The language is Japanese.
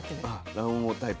卵黄タイプ。